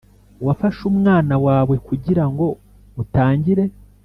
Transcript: wafashe umwanya wawe kugirango utangire,